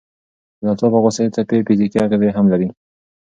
د ناڅاپه غوسې څپې فزیکي اغېزې هم لري.